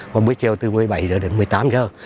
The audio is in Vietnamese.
và buổi chiều từ một mươi bảy giờ đến một mươi tám giờ